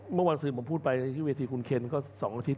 เมื่อวันที่ผมพูดไปหิวิธีคุณเคลร์ก็สองอาทิตย์